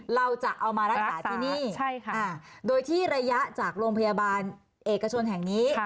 เราจะเอามารักษาที่นี่โดยที่ระยะจากโรงพยาบาลเอกชนแห่งนี้